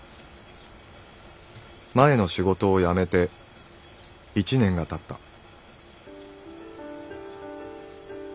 「前の仕事をやめて１年が経った」。